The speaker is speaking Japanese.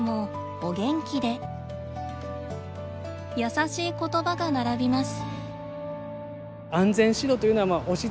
優しいことばが並びます。